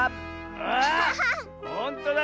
あほんとだ！